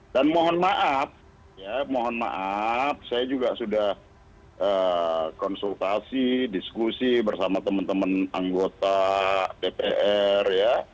dan mohon maaf ya mohon maaf saya juga sudah konsultasi diskusi bersama teman teman anggota dpr ya